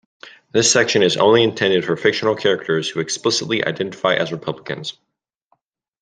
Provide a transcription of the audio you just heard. This section is only intended for fictional characters who explicitly identify as Republicans.